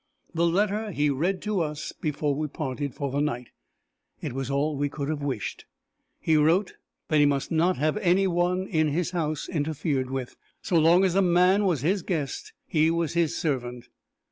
The letter he read to us before we parted for the night. It was all we could have wished. He wrote that he must not have any one in his house interfered with; so long as a man was his guest, he was his servant.